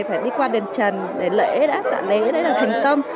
phải đi qua đền trần để lễ tạ lễ đấy là thành tâm